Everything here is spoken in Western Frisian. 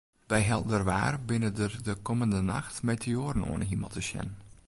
By helder waar binne der de kommende nacht meteoaren oan 'e himel te sjen.